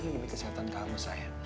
ini ini kesehatan kamu sayang